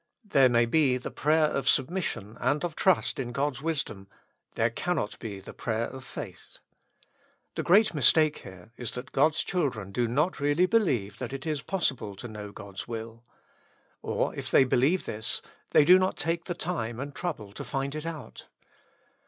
There may be the prayer of submission, and of trust in God's wisdom ; there cannot be the prayer of faith. The great mistake here is that God's children do not really believe that it is possible to know God's will. Or if they believe this, they do not take the time and trouble to find it out.